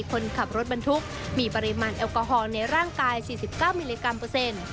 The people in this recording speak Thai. คนขับรถบรรทุกมีปริมาณแอลกอฮอลในร่างกาย๔๙มิลลิกรัมเปอร์เซ็นต์